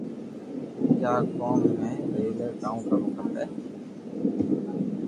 ڪي آ ڪوم مي ائو ني ڪاو ڪروُ کپي